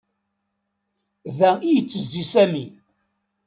Da i yettezzi Sami.